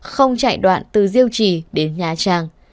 không chạy đoạn từ diêu trì đến nha trang